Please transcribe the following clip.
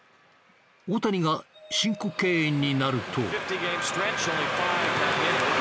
大谷が申告敬遠になると。